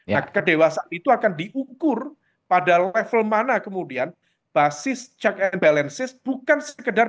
nah kedewasaan itu akan diukur pada level mana kemudian basis check and balances bukan sekedar